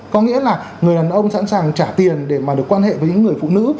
có nghĩa là người đàn ông sẵn sàng trả tiền để mà được quan hệ với những người phụ nữ